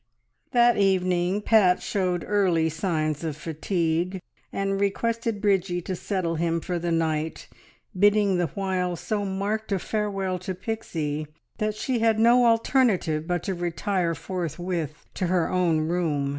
That evening Pat showed early signs of fatigue, and requested Bridgie to settle him for the night, bidding the while so marked a farewell to Pixie that she had no alternative but to retire forthwith to her own room.